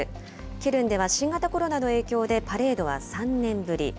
ケルンでは新型コロナの影響でパレードは３年ぶり。